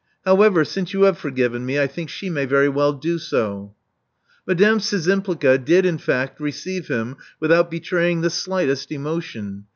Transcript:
However, since you have forgiven me, I think she may very well do so." Madame Szczympliga did, in fact, receive him with out betraying the slightest emotion.